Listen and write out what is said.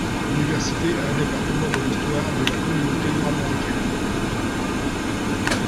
L'université a un département de l'histoire de la communauté noire américaine.